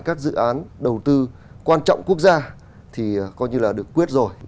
các dự án đầu tư quan trọng quốc gia thì coi như là được quyết rồi